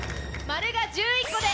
「○」が１１個で。